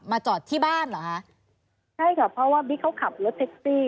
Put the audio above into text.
จอดที่บ้านเหรอคะใช่ค่ะเพราะว่าบิ๊กเขาขับรถแท็กซี่